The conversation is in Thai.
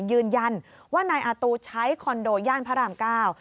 ยืนยันว่านายอาตูใช้คอนโดย่านพระรามเก้า